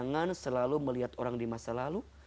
jangan selalu melihat orang di masa lalu